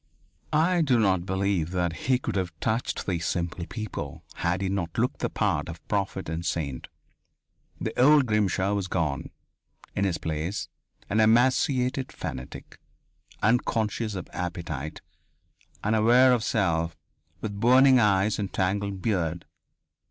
I do not believe that he could have touched these simple people had he not looked the part of prophet and saint. The old Grimshaw was gone. In his place an emaciated fanatic, unconscious of appetite, unaware of self, with burning eyes and tangled beard!